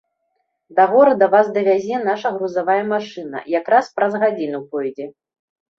Да горада вас давязе наша грузавая машына, якраз праз гадзіну пойдзе.